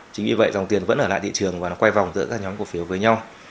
chính vì vậy dòng tiền vẫn ở lại thị trường và nó quay vòng giữa các nhóm cổ phiếu với nhau